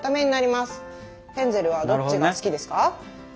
ヘンゼルはどっちが好きですか？